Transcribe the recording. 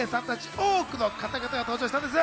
多くの方々が登場したんです。